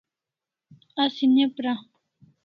Asi ne pra